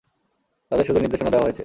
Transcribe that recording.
তাদের শুধু নির্দেশনা দেওয়া হয়েছে।